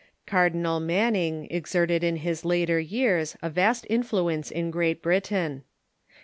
Cardinal Manning exerted in his later years a vast influence in Great Britain.